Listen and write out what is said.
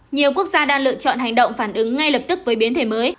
nhiều quốc gia đang lựa chọn hành động phản ứng ngay lập tức với biến thể mới